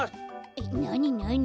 えっなになに？